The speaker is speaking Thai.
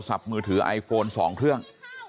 น้าสาวของน้าผู้ต้องหาเป็นยังไงไปดูนะครับ